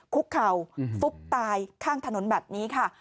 คุกเข่าฟุบตายข้างถนนแบบนี้ค่ะ